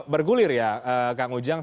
bergulir ya kang ujang